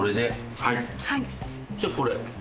はい。